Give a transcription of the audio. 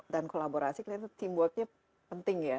dan kolaborasi kita tim buatnya penting ya